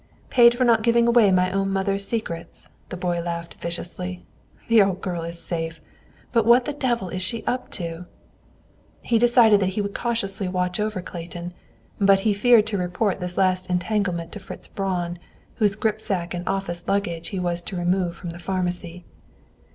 "Paid for not giving away my own mother's secrets," the boy laughed viciously. "The old girl is safe, but what the devil is she up to?" He decided that he would cautiously watch over Clayton, but he feared to report this last entanglement to Fritz Braun, whose gripsack and office luggage he was to remove from the pharmacy.